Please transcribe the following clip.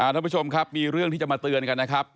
ท่านผู้ชมครับมีเรื่องที่จะมาเตือนกันนะครับ